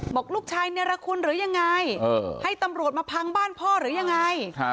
บอกลูกชายเนรคุณหรือยังไงให้ตำรวจมาพังบ้านพ่อหรือยังไง